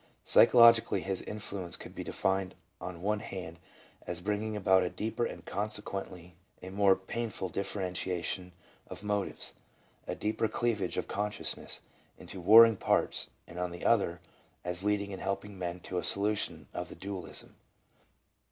Psychologically his influ ence could be defined on one hand as bringing about a deeper and consequently a more painful differentiation of motives, a deeper cleavage of consciousness, into warring parts, and, on the other, as leading and helping men to a solution of the dualism.